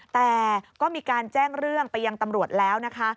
แต่ก็มีการแจ้งเรื่องไปยังตำรวจแล้วนะคะ